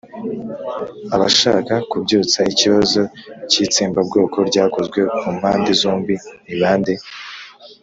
abashaka kubyutsa ikibazo cy'itsembabwoko ryakozwe ku mpande zombi nibande